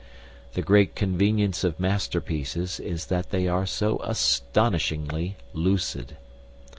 The great convenience of masterpieces is that they are so astonishingly lucid.